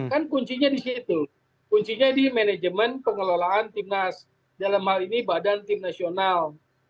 kan kuncinya di situ kuncinya di manajemen pengelolaan timnas dalam hal ini badan tim nasional